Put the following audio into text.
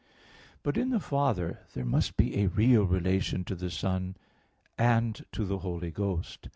But in the Father there must be a real relation to the Son and to the Holy Ghost.